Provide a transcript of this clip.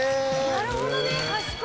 なるほどね賢い！